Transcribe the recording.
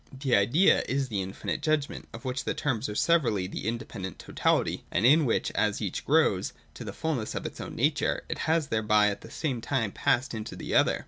The Idea is the infinite judgment, of which the terms are severally the independent totality ; and in which, as each grows to the fulness of its own nature, it has thereby at the same time passed into the other.